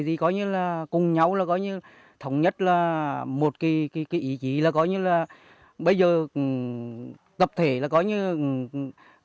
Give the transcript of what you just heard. thì có nghĩa là cùng nhau là có nghĩa là thống nhất là một cái ý chí là có nghĩa là bây giờ tập thể là có nghĩa là